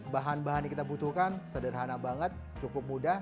bahan bahan yang kita butuhkan sederhana banget cukup mudah